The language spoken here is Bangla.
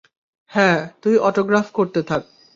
হ্যাঁ, তুই অটোগ্রাফ করতে থাক।